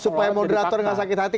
supaya moderator nggak sakit hati